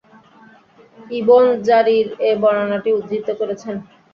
Ibn Jarir এ বর্ণনাটি উদ্ধৃত করেছেন।